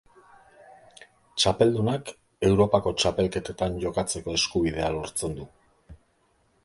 Txapeldunak Europako txapelketetan jokatzeko eskubidea lortzen du.